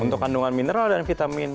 untuk kandungan mineral dan vitamin